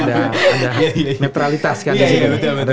ada netralitas kan disini